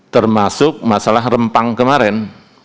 termasuk masalah rempang kemarin